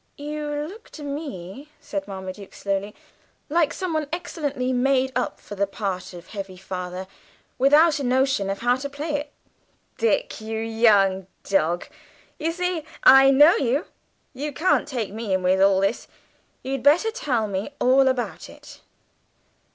"You look to me," said Marmaduke slowly, "like some one excellently made up for the part of heavy father, without a notion how to play it. Dick, you young dog, you see I know you! You can't take me in with all this. You'd better tell me all about it."